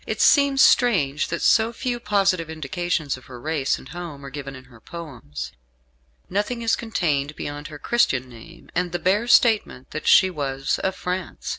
It seems strange that so few positive indications of her race and home are given in her poems nothing is contained beyond her Christian name and the bare statement that she was of France.